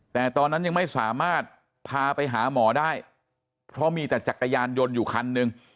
แต่ตอนนั้นยังไม่สามารถพาไปหาหมอได้เพราะมีแต่จักรยานยนต์อยู่คันหนึ่ง